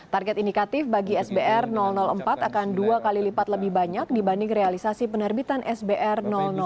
target indikatif bagi sbr empat akan dua kali lipat lebih banyak dibanding realisasi penerbitan sbr